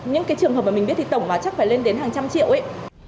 những cái trường hợp mà mình biết thì tổng vào chắc phải lên đến hàng trăm triệu ý